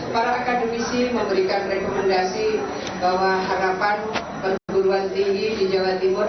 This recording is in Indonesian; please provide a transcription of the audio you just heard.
para akademisi memberikan rekomendasi bahwa harapan perguruan tinggi di jawa timur